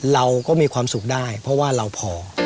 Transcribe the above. เราก็มีความสุขได้เพราะว่าเราพอ